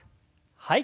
はい。